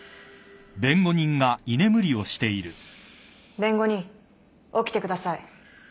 弁護人起きてください。